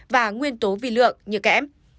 và nguyên tố vi lượng như kẽm